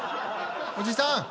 おじさん。